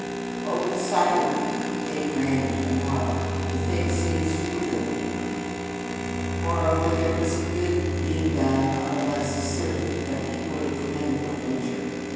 "Oh, decidedly," Kate granted Honora, "the thing seems to be good." Moreover, there was good being done of a less assertive but equally commendable nature.